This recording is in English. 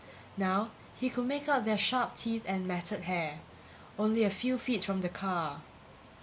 Now he could make out their sharp teeth and matted hair. Only a few feet from the car